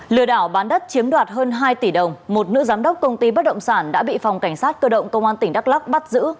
lừa đảo bán đất chiếm đoạt hơn hai tỷ đồng một nữ giám đốc công ty bất động sản đã bị phòng cảnh sát cơ động công an tỉnh đắk lắc bắt giữ